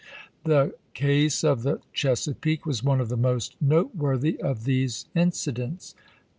The case of the CJiesapeake was one of the most noteworthy of these incidents.